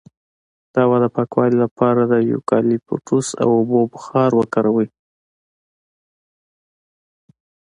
د هوا د پاکوالي لپاره د یوکالیپټوس او اوبو بخار وکاروئ